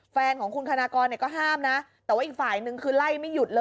ตอนต่อไป